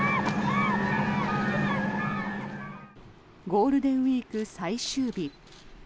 ゴールデンウィーク最終日。